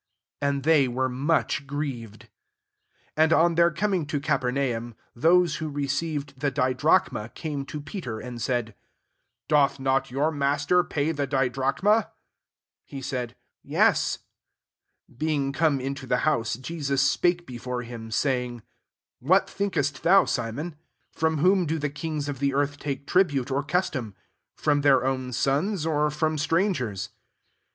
And they were much grieved. 24 And on their coming to Capernaum^ those who re ceived the didrachmaf came to Peter, and said, " Doth not your master pay the di drachma ?'' 25 He said, *« Yes." Being come into the house, Je sus spake before him, saying, "What thinkest thou, Simon? from whom do the kings of the earth take tribute, or custom ? irom their own sons, or from strangers ?"